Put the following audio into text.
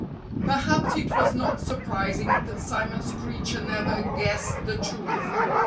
Perhaps it was not surprising that Simon Screecher never guessed the truth.